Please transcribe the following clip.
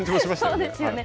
大体、そうですよね。